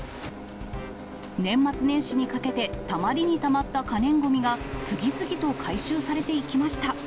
年末年始にかけてたまりにたまった可燃ごみが次々と回収されていきました。